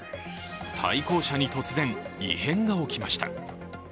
対向車に突然異変が起きました。